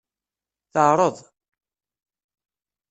Teɛṛeḍ.